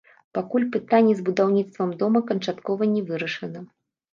Пакуль пытанне з будаўніцтвам дома канчаткова не вырашана.